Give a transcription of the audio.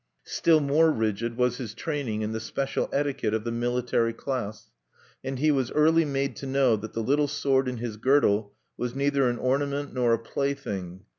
Still more rigid was his training in the special etiquette of the military class, and he was early made to know that the little sword in his girdle was neither an ornament nor a plaything.